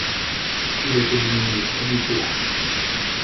Il est éliminé au premier tour.